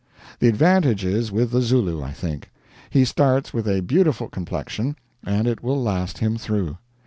The advantage is with the Zulu, I think. He starts with a beautiful complexion, and it will last him through.